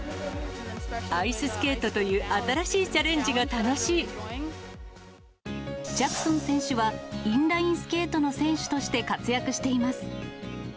アイススケートという新しいジャクソン選手は、インラインスケートの選手として活躍しています。